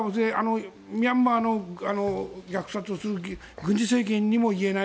ミャンマーの虐殺をする軍事政権にも言えない。